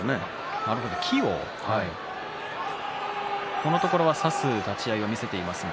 このところは差す立ち合いを見せています。